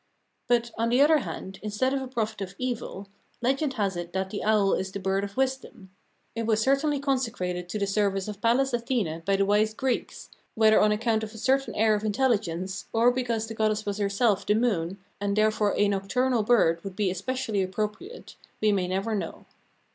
But, on the other hand, instead of a prophet of evil, legend has it that the owl is the "bird of wisdom." It was certainly consecrated to the service of Pallas Athene by the wise Greeks, whether on account of a certain air of intelligence, or because the goddess was herself the moon and therefore a nocturnal bird would be especially appropriate, we may never know.